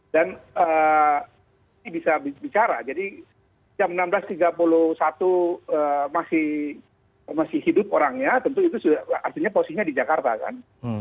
dan bisa bicara jadi jam enam belas tiga puluh satu masih hidup orangnya tentu itu artinya posisinya di jakarta kan